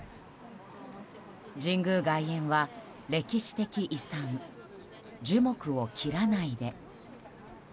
「神宮外苑は歴史的遺産樹木を切らないで」。